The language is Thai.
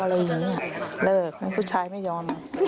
อะไรอย่างนี้เลิกแล้วผู้ชายไม่ยอม